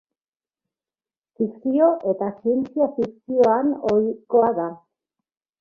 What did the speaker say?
Fikzio eta zientzia-fikzioan ohikoa da.